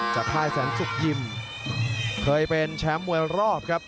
ค่ายแสนสุกยิมเคยเป็นแชมป์มวยรอบครับ